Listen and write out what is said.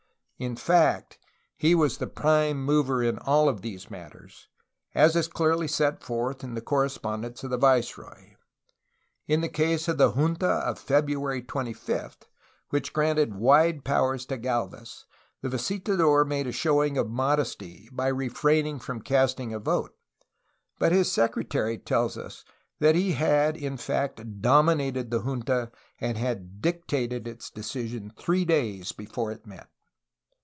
In fact he was the prime mover in all of these matters, as is clearly set forth in the correspondence of the viceroy. In the case of the junta of February 25, which granted wide powers to Galvez, the visitador made a showing of modesty by refraining from casting a vote, but his secre tary tells us that he had in fact dominated the junta and had dictated its decision three days before it met.